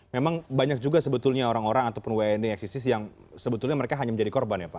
memang banyak juga sebetulnya orang orang ataupun wni eksisis yang sebetulnya mereka hanya menjadi korban ya pak